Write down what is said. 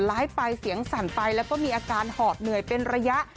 ไปเสียงสั่นไปแล้วก็มีอาการหอบเหนื่อยเป็นระยะ